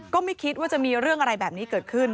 ก็ไม่คิดว่าจะมีเรื่องอะไรแบบนี้เกิดขึ้น